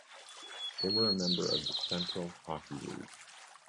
They were a member of the Central Hockey League.